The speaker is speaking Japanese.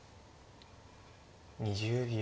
２０秒。